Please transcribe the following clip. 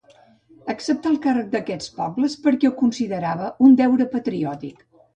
Acceptà el càrrec d'aquests pobles perquè ho considerava un deure patriòtic.